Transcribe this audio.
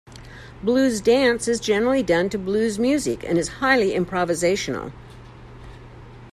Blues dance is generally done to blues music, and is highly improvisational.